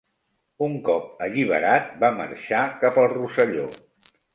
Un cop alliberat va marxar cap al Rosselló.